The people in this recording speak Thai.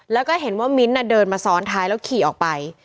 แล้วก็เห็นว่ามิ้นท์เดินมาซ้อนท้ายแล้วขี่ออกไป